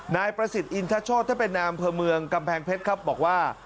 นายประสิทธิ์อินทชชสทะเปนนามเผือเมืองกำแพงเพชรบอกว่า